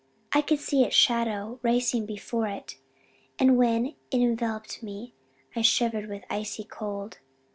I could see its shadow racing before it and when it enveloped me I shivered with icy cold.